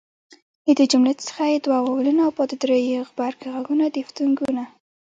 له دې جملې څخه ئې دوه واولونه او پاته درې ئې غبرګ ږغونه دیفتونګونه